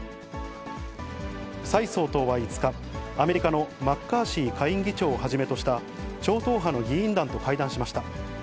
蔡総統は５日、アメリカのマッカーシー下院議長をはじめとした超党派の議員団と会談しました。